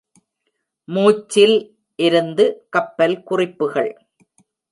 “மூச்சில்” இருந்து கப்பல் குறிப்புகள்.